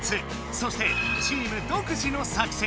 そしてチーム独自の作戦。